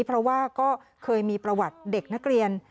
เพราะว่าก็เคยมีประวัติเด็กนักเรียน